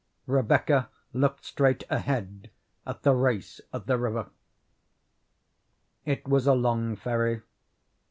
Rebecca looked straight ahead at the race of the river. It was a long ferry.